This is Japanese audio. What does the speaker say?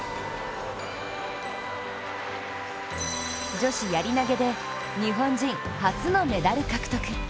女子やり投げで日本人初のメダル獲得。